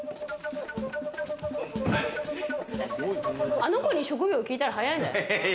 あの子に職業聞いたら早いんじゃない？